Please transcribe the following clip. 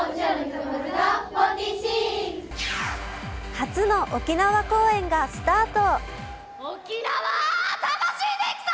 初の沖縄公演がスタート。